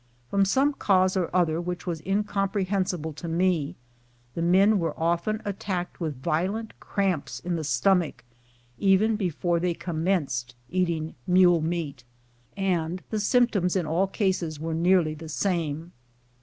From some cause or other which was incomprehensible to me, the men were often attacked with violent cramps in the stomach, even before they commenced eating mule meat, and the symptoms in all cases were nearly the same.